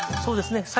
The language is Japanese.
そうですね。